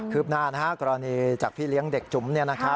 ืบหน้ากรณีจากพี่เลี้ยงเด็กจุ๋ม